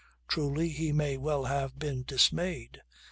Truly he may well have been dismayed.